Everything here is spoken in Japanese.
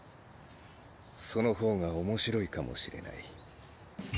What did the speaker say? その方が面白いかもしれない。